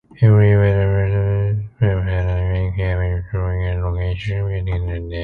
Every Wetherspoon pub has a unique carpet, drawing on the location, building and name.